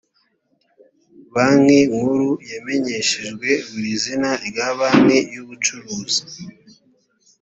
banki nkuru yamenyeshejwe buri zina rya banki z’ubucuruzi